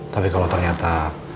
tapi kalau ternyata